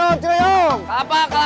masih ada yang nangis